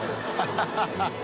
ハハハ